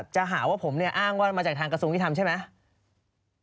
จะหาว่าผมเนี่ยอ้างว่ามาจากทางกระทรวงยุทธรรมใช่ไหม